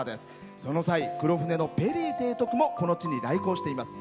その際、黒船のペリー提督もこの地に来航しています。